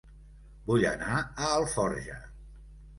Vull anar a Alforja